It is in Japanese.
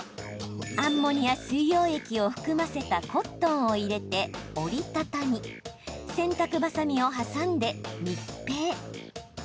アンモニア水溶液を含ませたコットンを入れて折り畳み洗濯ばさみで挟んで密閉。